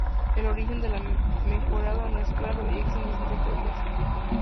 El origen de la Mejorana no es claro y existen distintas teorías.